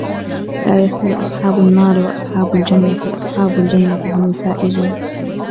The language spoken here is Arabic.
لَا يَسْتَوِي أَصْحَابُ النَّارِ وَأَصْحَابُ الْجَنَّةِ أَصْحَابُ الْجَنَّةِ هُمُ الْفَائِزُونَ